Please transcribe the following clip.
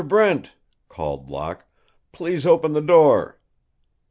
Brent," called Locke, "please open the door."